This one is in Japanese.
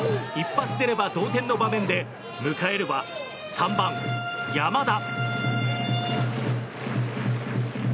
一発出れば同点の場面で迎えるは３番、山田。